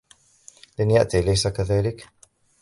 لن يأتي أليس كذلك ؟